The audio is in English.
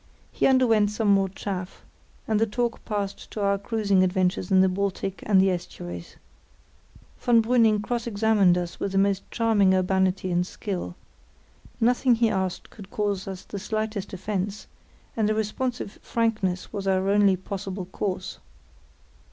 He underwent some more chaff, and the talk passed to our cruising adventures in the Baltic and the estuaries. Von Brüning cross examined us with the most charming urbanity and skill. Nothing he asked could cause us the slightest offence; and a responsive frankness was our only possible course.